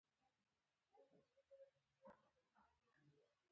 خوله د مينځ له خوا وه.